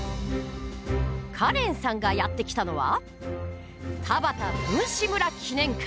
カレンさんがやって来たのは田端文士村記念館。